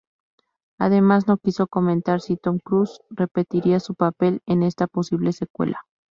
Además, no quiso comentar si Tom Cruise repetiría su papel en esta posible secuela.